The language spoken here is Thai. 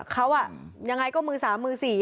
เขายังไงก็มือ๓มือ๔